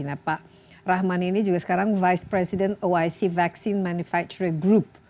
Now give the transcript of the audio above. nah pak rahman ini juga sekarang vice president oyc vaccine manufacturing group